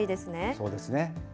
そうですね。